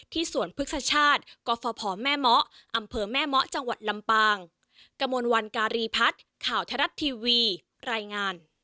สวนพฤกษชาติกฟภแม่เมาะอำเภอแม่เมาะจังหวัดลำปาง